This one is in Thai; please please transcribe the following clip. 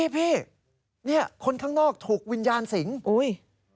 พี่คนข้างนอกถูกวิญญาณสิงศ์